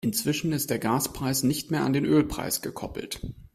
Inzwischen ist der Gaspreis nicht mehr an den Ölpreis gekoppelt.